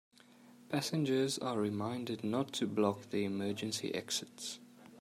Passengers are reminded not to block the emergency exits.